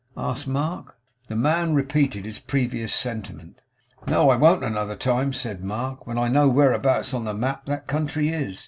asked Mark. The man repeated his previous sentiment. 'No, I won't another time,' said Mark, 'when I know whereabouts on the map that country is.